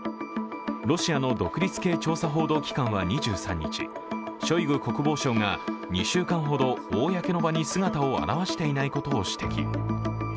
ロシアの独立系調査報道機関は２３日、ショイグ国防相が２週間ほど公の場に姿を現していないことを指摘。